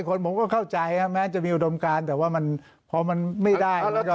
คนผมก็เข้าใจแม้จะมีอุดมการแต่ว่ามันพอมันไม่ได้